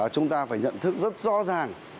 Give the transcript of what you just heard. chúng ta phải nhận thức rất rõ ràng